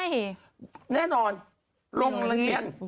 แน่นอนโรงเรียน